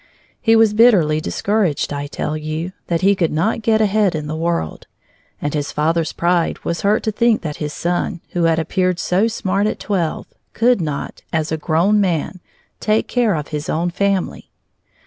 He was bitterly discouraged, I tell you, that he could not get ahead in the world. And his father's pride was hurt to think that his son who had appeared so smart at twelve could not, as a grown man, take care of his own family.